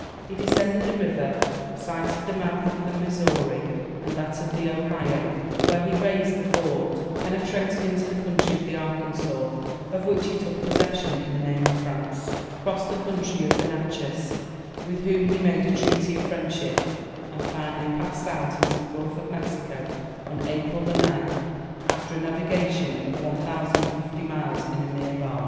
He descended the river, sighted the mouth of the Missouri, and that of the Ohio, where he raised a fort, penetrated into the country of the Arkansas, of which he took possession in the name of France, crossed the country of the Natchez, with whom he made a treaty of friendship, and finally passed out into the Gulf of Mexico on April 9th, after a navigation of 1050 miles in a mere bark.